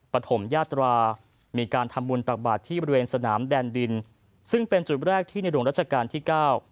ปฐมยาตรามีการทำบุญตักบาทที่บริเวณสนามแดนดินซึ่งเป็นจุดแรกที่ในหลวงรัชกาลที่เก้า